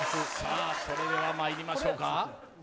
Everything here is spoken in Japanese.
それではまいりましょうか。